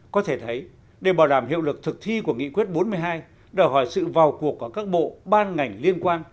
có thể thấy để bảo đảm hiệu lực thực thi của nghị quyết bốn mươi hai đòi hỏi sự vào cuộc của các bộ ban ngành liên quan